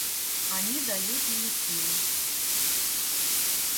Они дают мне силы.